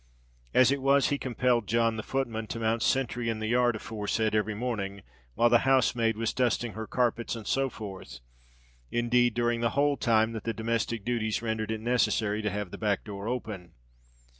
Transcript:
As it was, he compelled John, the footman, to mount sentry in the yard aforesaid, every morning while the housemaid was dusting her carpets and so forth—indeed during the whole time that the domestic duties rendered it necessary to have the back door open.